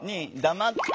黙って？